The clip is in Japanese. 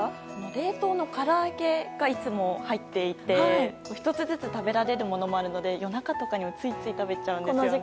冷凍のから揚げがいつも入っていて１つずつ食べれるものがあるので夜中とかにもついつい食べちゃうんですよね。